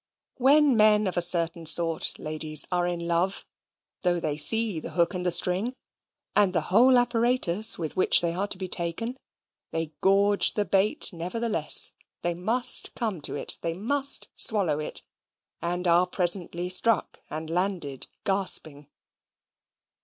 When men of a certain sort, ladies, are in love, though they see the hook and the string, and the whole apparatus with which they are to be taken, they gorge the bait nevertheless they must come to it they must swallow it and are presently struck and landed gasping.